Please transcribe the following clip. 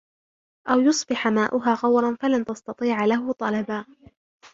أَوْ يُصْبِحَ مَاؤُهَا غَوْرًا فَلَنْ تَسْتَطِيعَ لَهُ طَلَبًا